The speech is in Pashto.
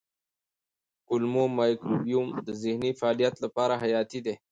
د کولمو مایکروبیوم د ذهني فعالیت لپاره حیاتي دی.